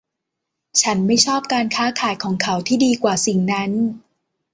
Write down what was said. ฉันไม่ชอบการค้าขายของเขาที่ดีกว่าสิ่งนั้น